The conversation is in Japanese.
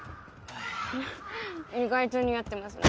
フフ意外と似合ってますね。